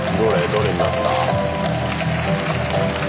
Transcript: どれになった？